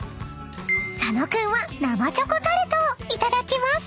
［佐野君は生チョコタルトをいただきます］